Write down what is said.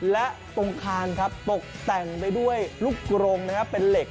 และตรงข้างตกแต่งไปด้วยลูกกรงเป็นเหล็ก